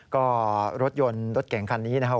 ก็รถยนต์รถเก่งคันนี้นะครับ